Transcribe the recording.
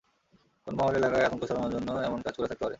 কোনো মহল এলাকায় আতঙ্ক ছড়ানোর জন্য এমন কাজ করে থাকতে পারে।